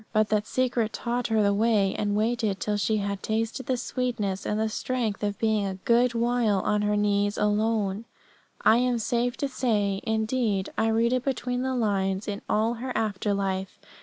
But that Secret taught her the way, and waited till she had tasted the sweetness and the strength of being a good while on her knees alone, I am safe to say; indeed, I read it between the lines in all her after life.